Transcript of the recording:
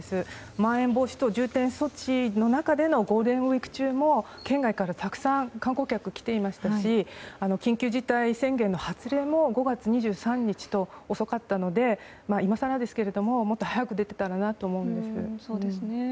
まん延防止等重点措置の中でのゴールデンウィーク中も県外からたくさん観光客が来ていましたし緊急事態宣言の発令も５月２３日と遅かったので今更ですけれども、もっと早く出ていたらなと思うんです。